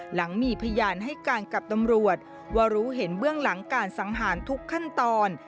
หลังมีพยานให้การกับตำรวจว่ารู้เห็นเบื้องหลังการสังหารทุกขั้นตอน